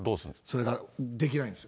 それが、できないんです。